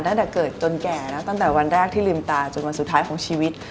ตั้งแต่เกิดจนแก่นะตั้งแต่วันแรกที่ลืมตาจนวันสุดท้ายของชีวิต